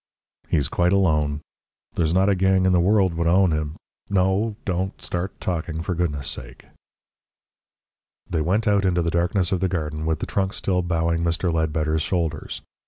"He's quite alone. There's not a gang in the world would own him. No! don't start talking, for goodness' sake." They went out into the darkness of the garden with the trunk still bowing Mr. Ledbetter's shoulders.